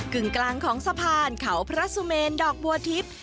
กึ่งกลางของสะพานเขาพระสุเมนดอกบัวทิพย์